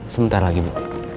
sebentar lagi bu